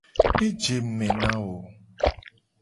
Ne je ngku me na wo.